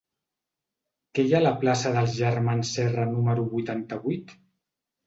Què hi ha a la plaça dels Germans Serra número vuitanta-vuit?